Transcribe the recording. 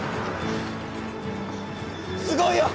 すごいよ！